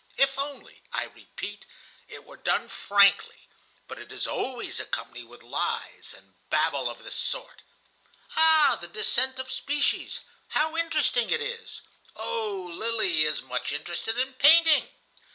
If only, I repeat, it were done frankly; but it is always accompanied with lies and babble of this sort:— "'Ah, the descent of species! How interesting it is!' "'Oh, Lily is much interested in painting.